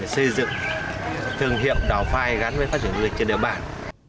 xây dựng thương hiệu đào phai gắn với phát triển quyền trên địa bàn